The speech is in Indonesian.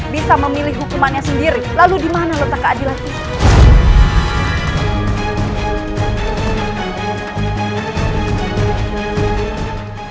bisa memilih hukumannya sendiri lalu dimana letak keadilan